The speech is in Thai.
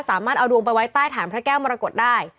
สามารถเอาดวงไปไว้ใต้ฐานพระแก้วมรกฏได้